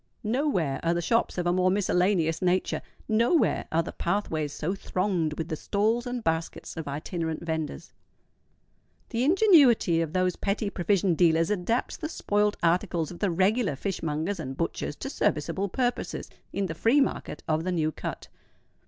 Nowhere are the shops of a more miscellaneous nature: nowhere are the pathways so thronged with the stalls and baskets of itinerant venders. The ingenuity of those petty provision dealers adapts the spoilt articles of the regular fishmongers and butchers to serviceable purposes in the free market of the New Cut.